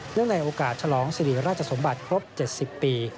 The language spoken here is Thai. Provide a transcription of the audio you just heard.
ในโอกาสฉลองสิริราชสมบัติครบ๗๐ปี